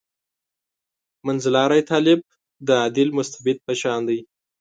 منځلاری طالب «عادل مستبد» په شان دی.